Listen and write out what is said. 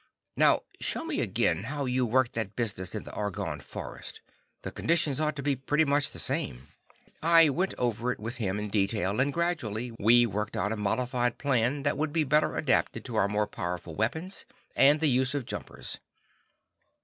Now show me again how you worked that business in the Argonne forest. The conditions ought to be pretty much the same." I went over it with him in detail, and gradually we worked out a modified plan that would be better adapted to our more powerful weapons, and the use of jumpers.